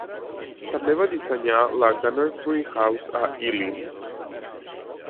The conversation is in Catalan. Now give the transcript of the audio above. També va dissenyar la Gunnersbury House a Ealing.